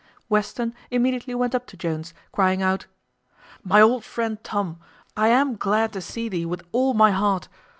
Western immediately went up to Jones, crying out, "My old friend Tom, I am glad to see thee with all my heart!